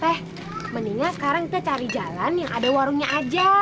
eh mendingan sekarang kita cari jalan yang ada warungnya aja